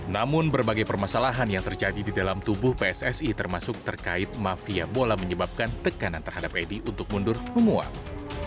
namun berbagai permasalahan yang terjadi di dalam tubuh pssi termasuk terkait mafia bola menyebabkan tekanan terhadap edi untuk mundur menguang